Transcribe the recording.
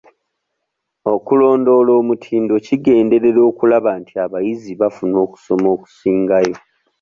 Okulondoola omutindo kigenderera okulaba nti abayizi bafuna okusoma okusingayo.